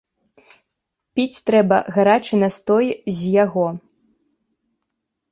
Піць трэба гарачы настой з яго.